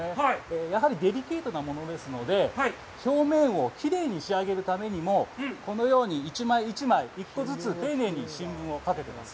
やはりデリケートなものですので、表面をきれいに仕上げるためにもこのように、１枚１枚、１個ずつ丁寧に新聞をかけてます。